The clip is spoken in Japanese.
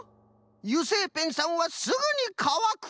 油性ペンさんはすぐにかわく。